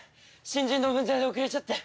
新人の分際で遅れちゃって。